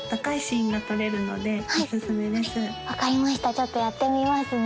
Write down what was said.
ちょっとやってみますね